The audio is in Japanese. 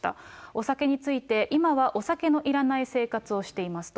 お酒について、今はお酒のいらない生活をしていますと。